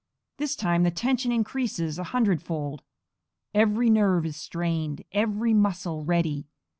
This time the tension increases an hundredfold; every nerve is strained; every muscle ready.